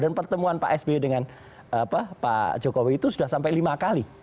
dan pertemuan pak sby dengan pak jokowi itu sudah sampai lima kali